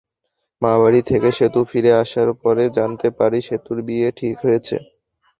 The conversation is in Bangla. মামাবাড়ি থেকে সেতু ফিরে আসার পরে জানতে পারি সেতুর বিয়ে ঠিক হয়েছে।